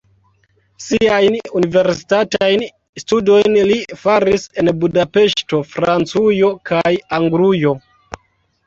Siajn universitatajn studojn li faris en Budapeŝto, Francujo kaj Anglujo.